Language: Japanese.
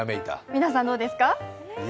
皆さん、どうですか？